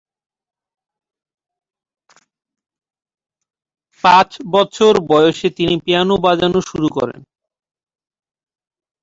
পাঁচ বছর বয়সে তিনি পিয়ানো বাজানো শুরু করেন।